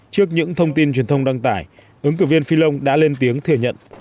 trước những thông tin truyền thông đăng tải ứng cử viên fillon đã lên tiếng thừa nhận